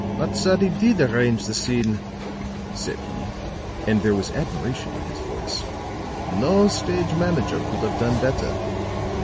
"Matsadi did arrange the scene," said he, and there was admiration in his voice. "No stage manager could have done better.